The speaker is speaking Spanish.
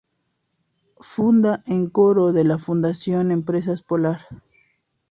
Funda en Coro de la Fundación Empresas Polar.